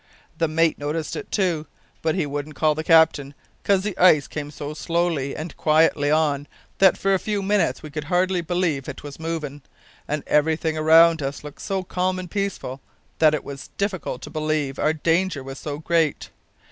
The mate noticed it, too, but he wouldn't call the captain 'cause the ice came so slowly and quietly on that for a few minutes we could hardly believe it was movin' and everything around us looked so calm and peaceful like that it was difficult to believe our danger was so great.